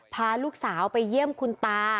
พาลูกสาวไปเยี่ยมคุณตา